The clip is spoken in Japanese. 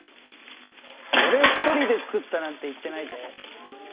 俺一人で作ったなんて言ってないぜ。